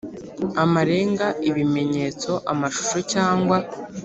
amarenga ibimenyetso amashusho cyangwa